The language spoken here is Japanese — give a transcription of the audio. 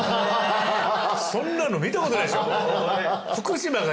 そんなの見たことないでしょ。